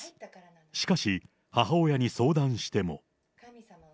しかし、母親に相談しても。